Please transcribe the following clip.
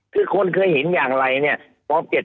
คือคนเคยเห็นอย่างไรเนี่ย